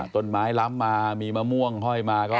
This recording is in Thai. ต้นไม้ล้ำมามีมะม่วงห้อยมาก็